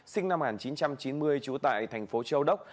sinh năm một nghìn chín trăm chín mươi trú tại thành phố châu đốc